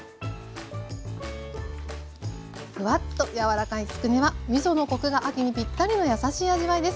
ふわっとやわらかいつくねはみそのコクが秋にぴったりのやさしい味わいです。